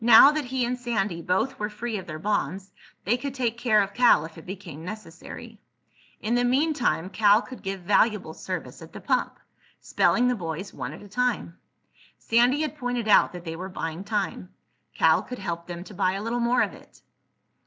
Now that he and Sandy both were free of their bonds they could take care of Cal if it became necessary. In the meantime, Cal could give valuable service at the pump, spelling the boys one at a time. Sandy had pointed out that they were buying time. Cal could help them to buy a little more of it.